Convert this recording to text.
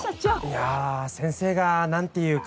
いや先生が何て言うか。